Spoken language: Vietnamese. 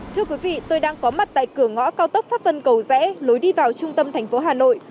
thưa quý vị tôi đang có mặt tại cửa ngõ cao tốc pháp vân cầu rẽ lối đi vào trung tâm thành phố hà nội